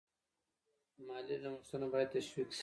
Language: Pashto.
مالي نوښتونه باید تشویق شي.